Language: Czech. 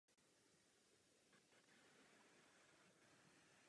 Během té doby na Sorbonně studovala dějiny náboženství a francouzskou literaturu.